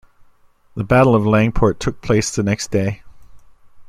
The battle of Langport took place the next day.